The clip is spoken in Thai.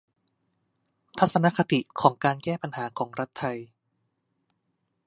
ทัศนคติของการแก้ปัญหาของรัฐไทย